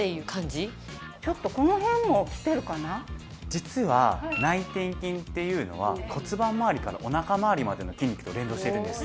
実は内転筋っていうのは骨盤まわりからお腹まわりまでの筋肉と連動してるんです。